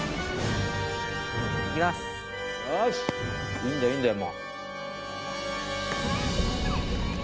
いいんだよいいんだよ